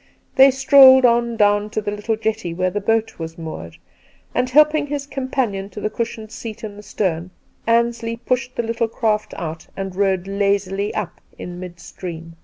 Two Christmas Days 211 They strolled on down to the little jetty where the boat was moored, and helping his companion to the cushioned seat in the stern, Ansley pushed the little craft out and rowed lazily up in mid stream.